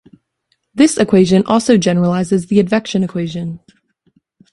This equation also generalizes the advection equation.